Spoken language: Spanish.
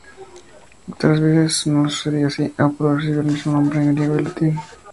Otras veces no sucedía así: Apolo recibió el mismo nombre en griego y latín.